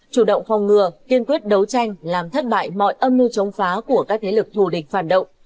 chủ động phòng ngừa kiên quyết đấu tranh làm thất bại mọi âm mưu chống phá của các thế lực thù địch phản động